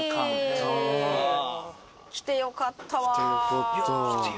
来てよかったわ。